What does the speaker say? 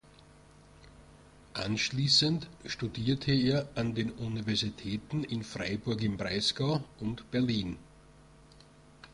Anschließend studierte er an den Universitäten in Freiburg im Breisgau und Berlin.